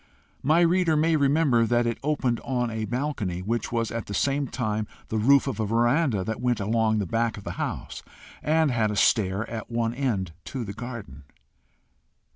My reader may remember that it opened on a balcony, which was at the same time the roof of a veranda that went along the back of the house, and had a stair at one end to the garden.